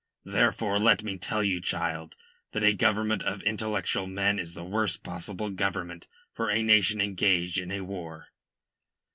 Therefore, let me tell you, my child, that a government of intellectual men is the worst possible government for a nation engaged in a war."